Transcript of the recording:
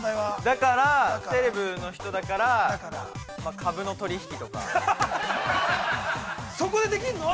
◆だから、セレブの人だから株の取引とか。◆そこでできるの？